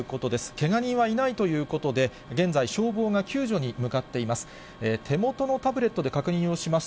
けが人はいないということで、現在、消防が救助に向かっています。